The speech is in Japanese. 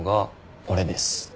俺です。